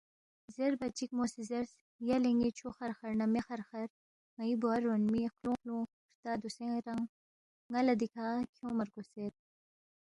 زیربا چِک مو سی زیرس، یلے ن٘ی چھُو خرخرمو نہ مے خرخرمو ن٘ئی بوا رونمی خلُونگ خلُونگ ہرتا دوسے رنگ ن٘ا لہ دیکھہ کھیونگما رگوسید